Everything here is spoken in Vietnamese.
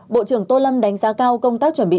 bộ trưởng tô lâm đánh giá cao công tác chuẩn bị